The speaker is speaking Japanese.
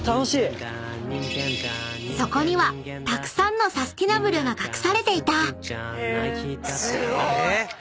［そこにはたくさんのサスティナブルが隠されていた！］